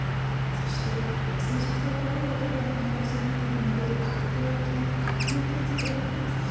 そして染色体が多いかどうかの可能性を見ているので確定検査ではないんです。